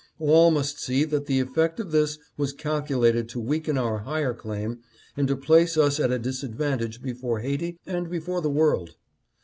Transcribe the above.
All must see that the effect of this was calculated to weaken our higher claim and to place us at a disadvantage before Haiti and before all the world.